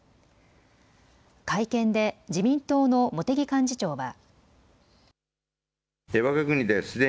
会見で自民党の茂木幹事長は。